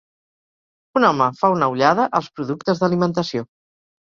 Un home fa una ullada als productes d'alimentació.